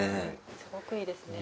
すごくいいですね。